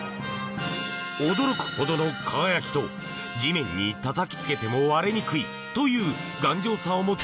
驚くほどの輝きと地面にたたきつけても割れにくいという頑丈さを持つ